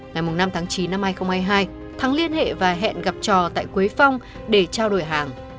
ngày năm tháng chín năm hai nghìn hai mươi hai thắng liên hệ và hẹn gặp trò tại quế phong để trao đổi hàng